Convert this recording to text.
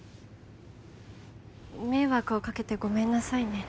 迷惑をかけてごめんなさいね。